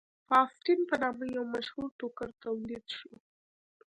فاسټین په نامه یو مشهور ټوکر تولید شو.